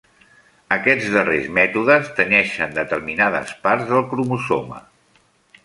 Aquests darrers mètodes tenyeixen determinades parts del cromosoma.